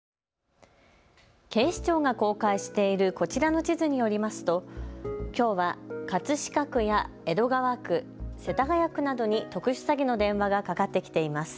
警視庁が公開しているこちらの地図によりますときょうは葛飾区や江戸川区、世田谷区などに特殊詐欺の電話がかかってきています。